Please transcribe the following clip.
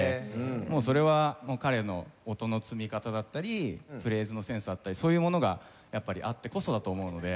もうそれは彼の音の積み方だったりフレーズのセンスだったりそういうものがやっぱりあってこそだと思うので。